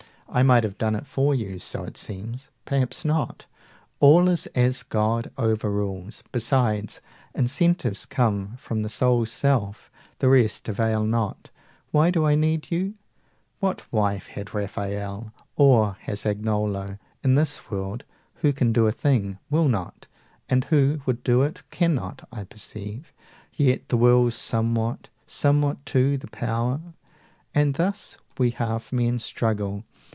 I might have done it for you. So it seems: Perhaps not. All is as God overrules. Beside, incentives come from the soul's self; The rest avail not. Why do I need you? 135 What wife had Rafael, or has Agnolo? In this world, who can do a thing, will not; And who would do it, cannot, I perceive: Yet the will's somewhat somewhat, too, the power And thus we half men struggle.